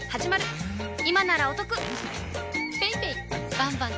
バンバン！